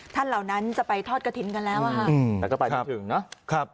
เหล่านั้นจะไปทอดกระถิ่นกันแล้วอะค่ะแต่ก็ไปไม่ถึงนะครับ